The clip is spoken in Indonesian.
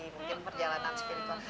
mungkin perjalanan spiritual